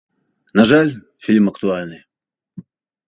На жаль, фільм актуальны.